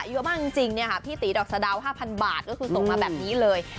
เยอะมากจริงพี่ตีดอกสะดาว๕๐๐บาทก็คือส่งมาแบบนี้เลย